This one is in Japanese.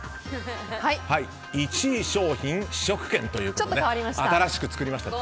１位商品試食券ということで新しく作りました。